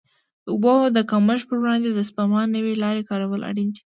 د اوبو د کمښت پر وړاندې د سپما نوې لارې کارول اړین دي.